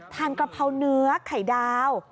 กะเพราเนื้อไข่ดาว